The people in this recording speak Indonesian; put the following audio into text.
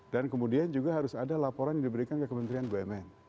dan kemudian juga harus ada laporan yang diberikan ke kementerian bumn